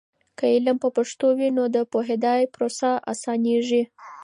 که علم په پښتو وي، نو د پوهیدلو پروسه اسانېږي.